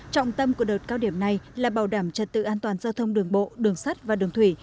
trọng tâm của đợt cao điểm này là bảo đảm trật tự an toàn giao thông đường bộ đường sắt và đường thủy